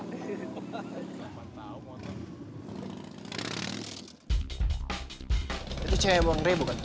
itu cewek bang rey bukan